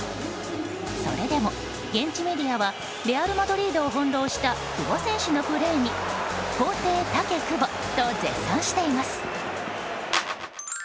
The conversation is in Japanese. それでも現地メディアはレアル・マドリードを翻弄した久保選手のプレーに皇帝タケ・クボと絶賛しています。